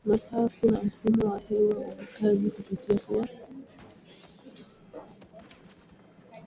Mapafu na mfumo wa hewa Uvutaji kupitia pua